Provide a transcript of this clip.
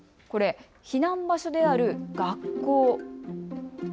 これ避難場所である学校。